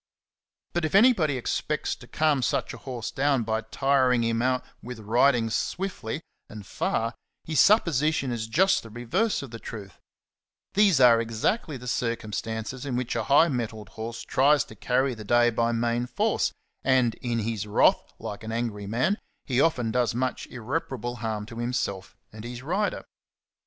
But if anybody expects to calm such a horse down by tiring him out with riding swiftly and far, his supposition is just the reverse of the truth; these are exactly the circumstances in which the high mettled horse tries to carry the day by main force, and in his wrath, like an angry man, he often does much irreparable harm to himself and his rider.